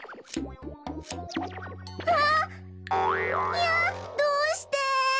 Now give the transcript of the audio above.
いやどうして！